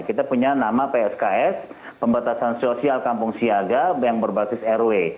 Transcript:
kita punya nama psks pembatasan sosial kampung siaga yang berbasis rw